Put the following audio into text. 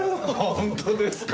本当ですか？